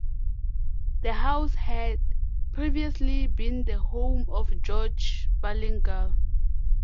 The house had previously been the home of George Ballingall.